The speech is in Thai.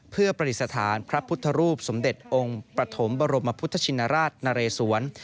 เพื่อประดิษฐานพระพุทธรูปสมเด็จองค์ประถมบรมพุทธชินราชนเรสวน